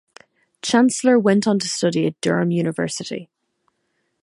Chancellor went on to study at Durham University.